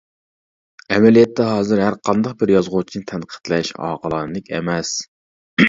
ئەمەلىيەتتە ھازىر ھەر قانداق بىر يازغۇچىنى تەنقىدلەش ئاقىلانىلىك ئەمەس.